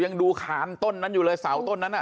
ยังดูขานต้นนั้นอยู่เลยเสาต้นนั้น